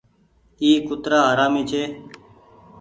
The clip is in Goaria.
اي ڪُترآ حرامي ڇي